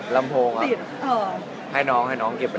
ลำโพงครับให้น้องเก็บไปแล้ว